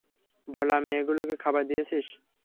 ভোলা, মেয়েগুলোকে খাবার দিয়েছিস?